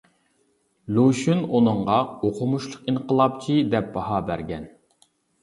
لۇشۈن ئۇنىڭغا «ئوقۇمۇشلۇق ئىنقىلابچى» دەپ باھا بەرگەن.